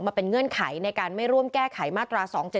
ทางคุณชัยธวัดก็บอกว่าการยื่นเรื่องแก้ไขมาตรวจสองเจน